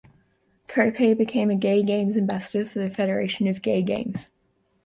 Kopay became a Gay Games Ambassador for the Federation of Gay Games.